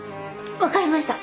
分かりました。